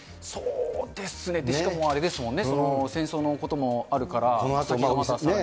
そうですね、しかもあれですもんね、戦争のこともあるから先もまださらに。